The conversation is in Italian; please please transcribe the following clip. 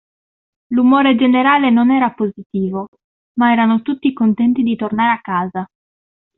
L'umore generale non era positivo, ma erano tutti contenti di tornare a casa.